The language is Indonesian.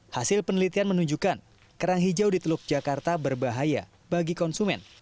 hasil penelitian menunjukkan kerang hijau di teluk jakarta berbahaya bagi konsumen